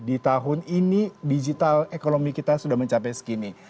ini digital ekonomi kita sudah mencapai segini